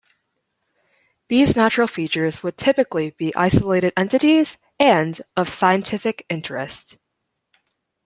These natural features would typically be isolated entities and of scientific interest.